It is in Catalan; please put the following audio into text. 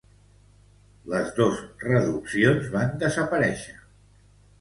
Les dos reduccions van desaparéixer.